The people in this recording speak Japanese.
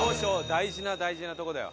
大事な大事なとこだよ。